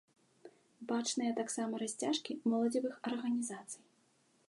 Бачныя таксама расцяжкі моладзевых арганізацый.